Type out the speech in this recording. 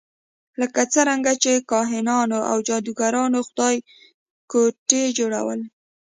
لکه څرنګه چې کاهنانو او جادوګرانو خدایګوټي جوړول.